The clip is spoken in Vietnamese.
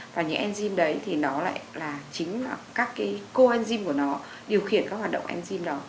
và những enzyme đấy thì nó lại là chính là các cái coenzyme của nó điều khiển các hoạt động enzyme đó